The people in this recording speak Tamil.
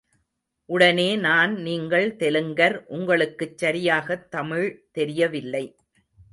உடனே நான் நீங்கள் தெலுங்கர், உங்களுக்குச் சரியாகத் தமிழ் தெரியவில்லை.